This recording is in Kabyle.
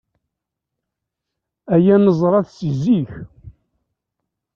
Aya neẓra-t si zik.